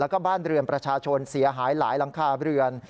แล้วก็บ้านเรือนประชาชนเสียหายหลายหลังคาเรือน